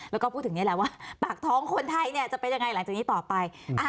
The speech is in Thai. แล้วก็พูดถึงนี่แหละว่าปากท้องคนไทยเนี่ยจะเป็นยังไงหลังจากนี้ต่อไป